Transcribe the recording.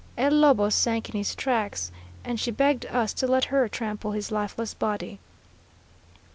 El Lobo sank in his tracks, and she begged us to let her trample his lifeless body.